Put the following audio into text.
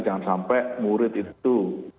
jangan sampai murid itu